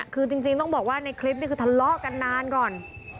คือจริงต้องบอกว่าในคลิปนี้คือทะเลาะกันนานก่อน